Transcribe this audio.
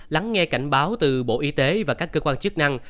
lắng nghe cảnh báo từ bộ y tế và các cơ quan chức năng